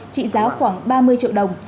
trị giá khoảng ba mươi triệu đồng